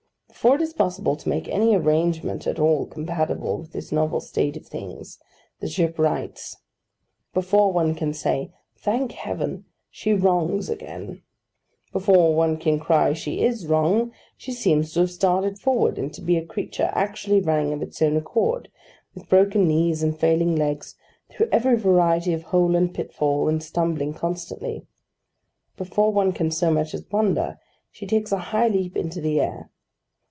Before it is possible to make any arrangement at all compatible with this novel state of things, the ship rights. Before one can say 'Thank Heaven!' she wrongs again. Before one can cry she is wrong, she seems to have started forward, and to be a creature actually running of its own accord, with broken knees and failing legs, through every variety of hole and pitfall, and stumbling constantly. Before one can so much as wonder, she takes a high leap into the air.